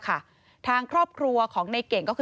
คุณพ่อคุณแม่ก็คือทางครอบครัวของในเก่ง